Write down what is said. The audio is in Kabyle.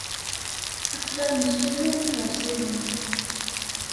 Aql-aɣ nessunuɣ iɣersiwen.